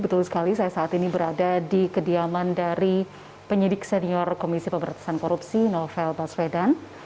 betul sekali saya saat ini berada di kediaman dari penyidik senior komisi pemberantasan korupsi novel baswedan